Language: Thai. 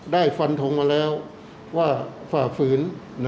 ได้ฟันทงมาแล้วว่าฝ่าฝืน